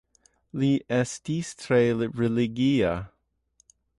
Li estis tre religia.